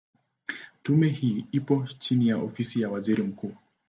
Tume hii ipo chini ya Ofisi ya Waziri Mkuu.